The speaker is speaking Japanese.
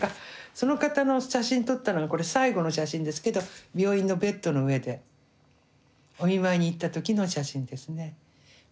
その方の写真撮ったのがこれ最後の写真ですけど病院のベッドの上でお見舞いに行った時の写真ですね。